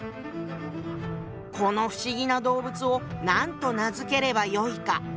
「この不思議な動物を何と名付ければよいか」。